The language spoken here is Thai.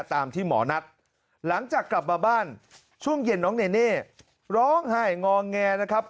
ตามที่หมอนัดหลังจากกลับมาบ้านช่วงเย็นน้องเนเน่ร้องไห้งอแงนะครับ